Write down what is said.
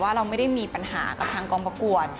เราไม่ได้มีปัญหากับทางกองประกวด